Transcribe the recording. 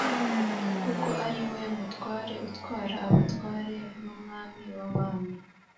kuko ari we Mutware utwara abatware n’Umwami w’abami,